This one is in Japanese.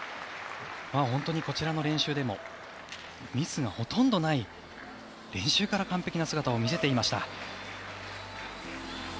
本当にこちらの練習でもミスがほとんどない練習から完璧な姿を見せていました。